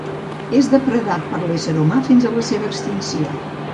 És depredat per l'ésser humà fins a la seva extinció.